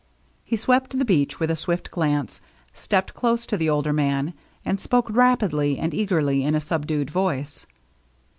He swept the beach with a swift glance, stepped close to the older man, and spoke rapidly and eagerly in a subdued voice.